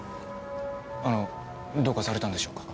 あのどうかされたんでしょうか？